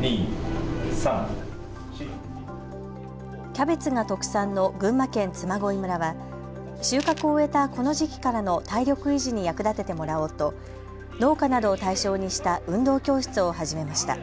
キャベツが特産の群馬県嬬恋村は収穫を終えたこの時期からの体力維持に役立ててもらおうと農家などを対象にした運動教室を始めました。